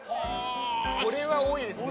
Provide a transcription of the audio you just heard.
それは多いですね。